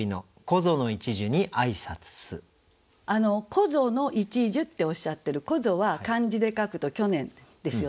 「こぞの一樹」っておっしゃってる「こぞ」は漢字で書くと「去年」ですよね。